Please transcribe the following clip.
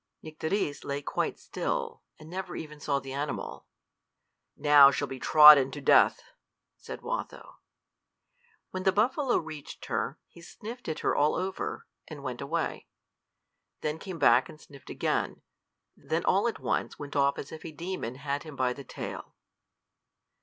Nycteris lay quite still, and never even saw the animal. "Now she'll be trodden to death!" said Watho. When the buffalo reached her, he sniffed at her all over, and went away; then came back and sniffed again; then all at once went off as if a demon had him by the tail.